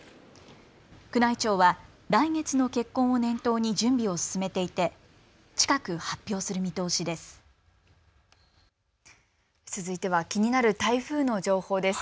宮内庁は来月の結婚を念頭に準備を進めていて近く発表する見通しです。